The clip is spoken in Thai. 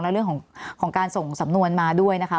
และเรื่องของการส่งสำนวนมาด้วยนะคะ